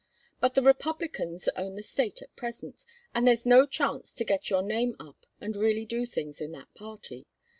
But the Republicans own the State at present, and there's no chance to get your name up and really do things in that party.